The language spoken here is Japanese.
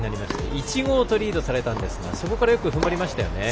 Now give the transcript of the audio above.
１−５とリードされたんですがそこからよくふんばりましたね。